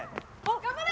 頑張れ！